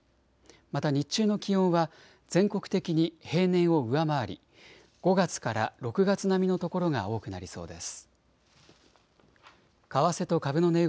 また日中の気温は全国的に平年を上回り５月から６月並みの所が多くなりそうです。